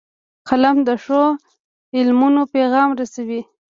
قلم د ښو عملونو پیغام رسوي